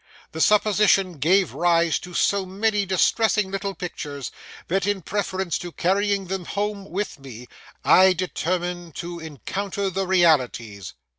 The supposition gave rise to so many distressing little pictures, that in preference to carrying them home with me, I determined to encounter the realities.